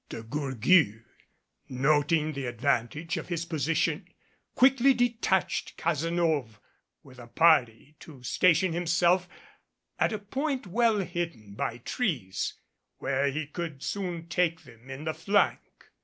De Gourgues, noting the advantage of his position, quickly detached Cazenove with a party to station himself at a point well hidden by trees where he could soon take them in the flank.